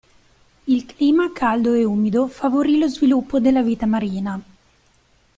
Il clima caldo e umido favorì lo sviluppo della vita marina.